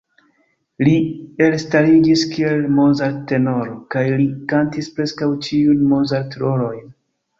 Li elstariĝis kiel Mozart-tenoro, kaj li kantis preskaŭ ĉiujn Mozart-rolojn.